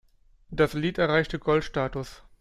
Das Lied erreichte Gold-Status.